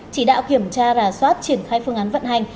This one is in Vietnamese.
chỉ đạo kiểm tra rà soát triển khai phương án vận hành